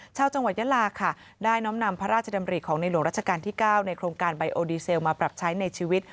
ชาวจังหวัดยาลาค่ะได้น้อมนำพระราชดำริของในหลวงราชการที่๙ในโครงการไบโอดีเซลมาปรับใช้ในชีวิต